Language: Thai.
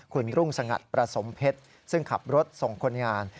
คุณรุ่งสงัดประสมเพชรซึ่งขับรถส่งคนงาน